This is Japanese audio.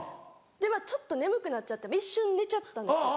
ちょっと眠くなっちゃって一瞬寝ちゃったんです。